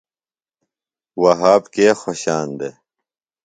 وھاب کے خوشان دےۡ؟